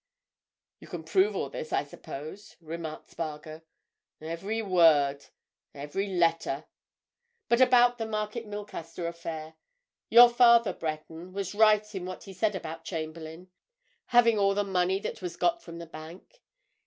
"You can prove all this, I suppose?" remarked Spargo. "Every word—every letter! But about the Market Milcaster affair: Your father, Breton, was right in what he said about Chamberlayne having all the money that was got from the bank.